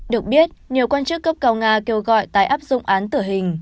được biết nhiều quan chức cấp cao nga kêu gọi tái áp dụng án tử hình